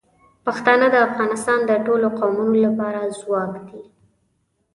پښتانه د افغانستان د ټولو قومونو لپاره ځواک دي.